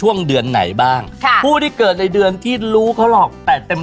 โหยิวมากประเด็นหัวหน้าแซ่บที่เกิดเดือนไหนในช่วงนี้มีเกณฑ์โดนหลอกแอ้มฟรี